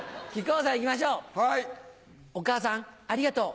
お母さんありがとう。